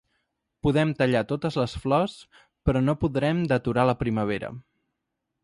Podem tallar totes les flors, però no podrem deturar la primavera.